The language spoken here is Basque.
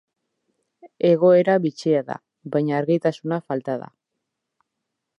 Egoera bitxia da, baina argitasuna falta da.